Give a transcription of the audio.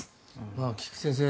菊地先生